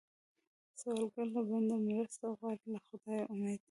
سوالګر له بنده مرسته غواړي، له خدایه امید